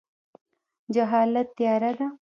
جهالت تیاره ده